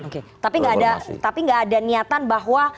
oke tapi nggak ada niatan bahwa